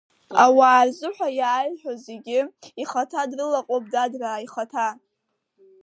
Ауаа рзыҳәа иааиҳәо зегьы-зегь ихаҭа дрылаҟоуп, дадраа, ихаҭа!